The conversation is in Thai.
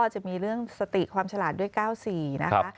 จะมีเรื่องสติความฉลาดด้วย๙๔นะคะ